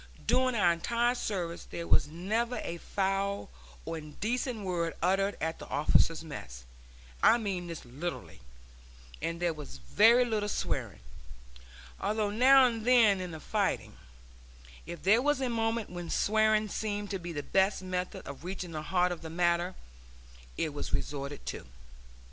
During our entire service there was never a foul or indecent word uttered at the officers' mess I mean this literally; and there was very little swearing although now and then in the fighting, if there was a moment when swearing seemed to be the best method of reaching the heart of the matter, it was resorted to.